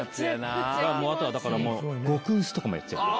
あとはだからもう極薄とかもやっちゃう。